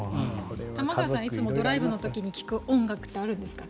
玉川さん、いつもドライブの時に聞く音楽ってあるんですか？